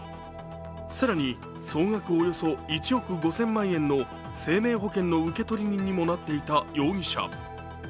更に、総額およそ１億５０００万円の生命保険の受取人にもなっていた容疑者。